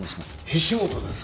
菱本です。